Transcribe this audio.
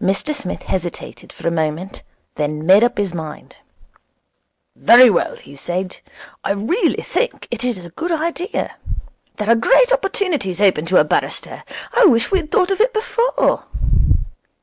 Mr Smith hesitated for a moment, then made up his mind. 'Very well,' he said. 'I really think it is a good idea. There are great opportunities open to a barrister. I wish we had thought of it before.'